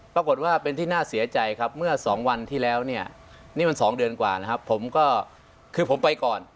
ปรากฏว่าเป็นที่น่าเสียใจครับเมื่อสองวันที่แล้วเนี่ยนี่มัน๒เดือนกว่านะครับผมก็คือผมไปก่อน